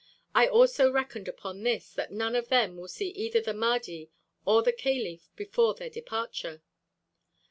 I also reckoned upon this, that none of them will see either the Mahdi or the caliph before their departure."